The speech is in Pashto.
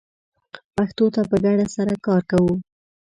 پښتو ته په ګډه سره کار کوو